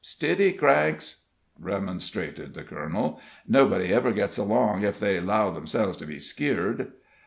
"Stiddy, Cranks!" remonstrated the colonel. "Nobody ever gets along ef they 'low 'emselves to be skeered."